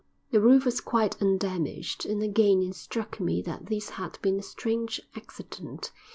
The roof was quite undamaged; and again it struck me that this had been a strange accident.